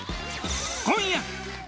今夜。